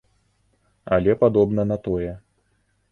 Але падобна на тое.